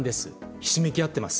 ひしめき合ってます。